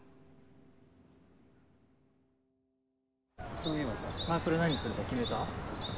そういえばさサークル何にするか決めた？